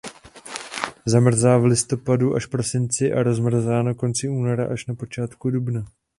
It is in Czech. Zamrzá v listopadu až prosinci a rozmrzá na konci února až na začátku dubna.